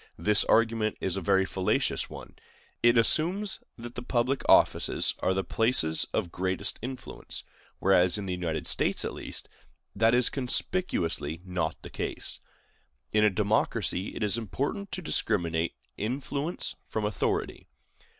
This argument is a very fallacious one. It assumes that the public offices are the places of greatest influence; whereas, in the United States, at least, that is conspicuously not the case. In a democracy, it is important to discriminate influence from authority.